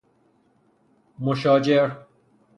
مشاجر